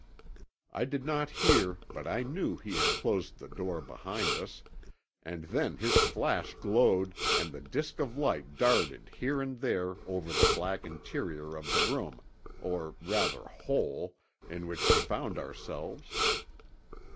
I did not hear but I knew he had closed the door behind us, and then his flash glowed and the disk of light darted here and there over the black interior of the room, or, rather, hole, in which we found ourselves.